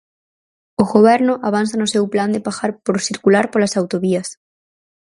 O Goberno avanza no seu plan de pagar por circular polas autovías.